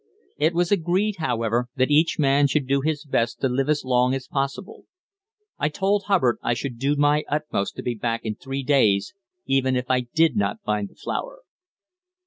It was agreed, however, that each man should do his best to live as long as possible. I told Hubbard I should do my utmost to be back in three days, even if I did not find the flour.